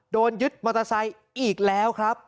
โดนยึดมอเตอร์ไซค์อีกแล้วครับ